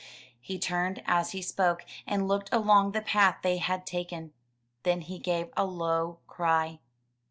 He turned as he spoke, and looked along the path they had taken. Then he gave a low cry.